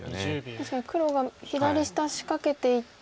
確かに黒が左下仕掛けていって。